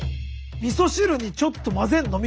みそ汁にちょっと混ぜるの？